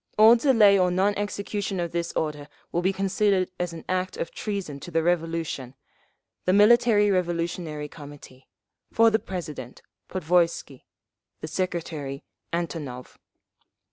All delay or non execution of this order will be considered as an act of treason to the Revolution. The Military Revolutionary Committee. For the President, Podvoisky. The Secretary, Antonov.